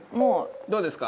どうですか？